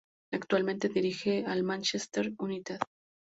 Actualmente dirige al Manchester United.